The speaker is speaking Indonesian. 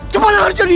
jepang akan jadi